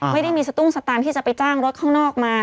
ไม่ได้มีสตุ้งสตางค์ที่จะไปจ้างรถข้างนอกมา